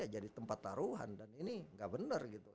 jadi tempat taruhan dan ini gak bener